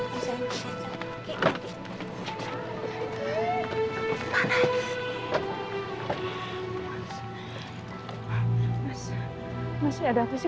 mas masih ada apa sih